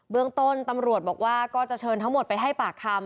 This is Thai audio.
เรื่องต้นตำรวจบอกว่าก็จะเชิญทั้งหมดไปให้ปากคำ